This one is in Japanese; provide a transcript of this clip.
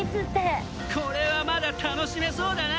これはまだ楽しめそうだな！